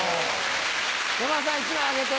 山田さん１枚あげて。